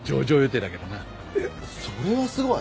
えっそれはすごい！